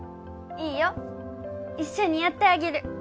いいよ一緒にやってあげる